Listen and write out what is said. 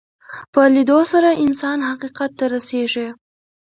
په لیدلو سره انسان حقیقت ته رسېږي